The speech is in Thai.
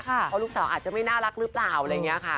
เพราะลูกสาวอาจจะไม่น่ารักหรือเปล่า